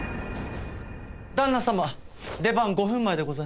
旦那様出番５分前でございます。